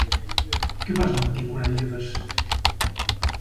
Què fas al matí quan et lleves?